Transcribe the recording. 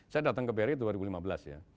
saya datang ke bri dua ribu lima belas ya